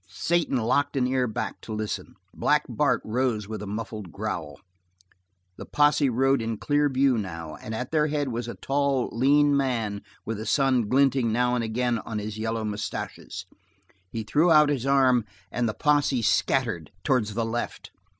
Satan locked an ear back to listen; Black Bart rose with a muffled growl. The posse rode in clear view now, and at their head was a tall, lean man with the sun glinting now and again on his yellow moustaches. He threw out his arm and the posse scattered towards the left.